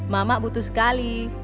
mamak butuh sekali